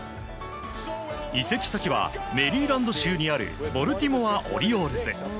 移籍先は、メリーランド州にあるボルティモア・オリオールズ。